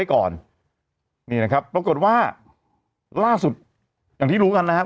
ก่อนนี่นะครับปรากฏว่าล่าสุดอย่างที่รู้กันนะครับ